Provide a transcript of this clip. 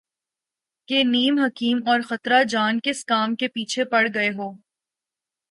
کہ نیم حکیم اور خطرہ جان ، کس کام کے پیچھے پڑ گئے ہو